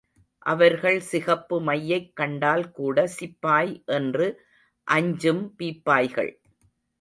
அவர்கள் சிகப்பு மையைக் கண்டால் கூட சிப்பாய் என்று அஞ்சும் பீப்பாய்கள்.